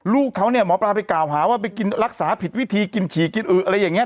ลูกเขาเนี่ยหมอปลาไปกล่าวหาว่าไปกินรักษาผิดวิธีกินฉี่กินอืออะไรอย่างนี้